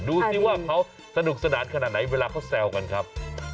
ดูสิว่าเขาสนุกสนานขนาดไหนเวลาเขาแซวกันครับ